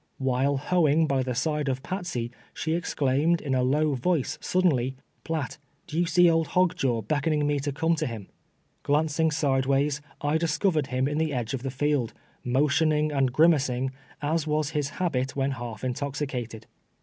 "While hoeing by the side of Patsey, she ex claimed, in a low voice, suddenly, " Piatt, d'ye see old Hog Jaw beckoning me to come to him ?" Glancing sideways, I discovered him in the edge of the field, motioning and grimacing, as was his habit when half intoxicated.